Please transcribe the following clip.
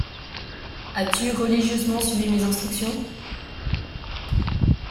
As-tu religieusement suivi mes instructions ?